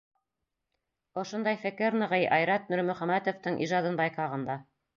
Ошондай фекер нығый Айрат Нурмөхәмәтовтың ижадын байҡағанда.